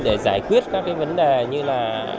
để giải quyết các cái vấn đề như là